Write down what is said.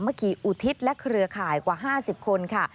คีอุทิศและเครือข่ายกว่า๕๐คนค่ะ